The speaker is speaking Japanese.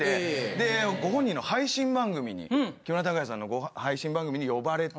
でご本人の配信番組に木村拓哉さんの配信番組に呼ばれて。